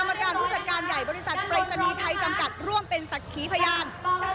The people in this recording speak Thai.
กรรมการผู้จัดการใหญ่บริษัทปรายศนีย์ไทยจำกัดร่วมเป็นศักดิ์ขีพยาน